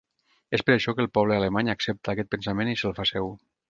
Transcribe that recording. És per això que el poble alemany accepta aquest pensament i se’l fa seu.